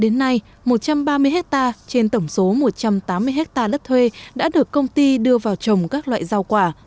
đến nay một trăm ba mươi hectare trên tổng số một trăm tám mươi hectare đất thuê đã được công ty đưa vào trồng các loại rau quả